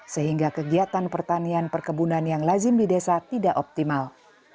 sehingga kegiatan pertanian perkebunan yang lazim di desa tidak optimal